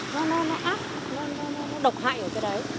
nó là ác nó là độc hại của cái đấy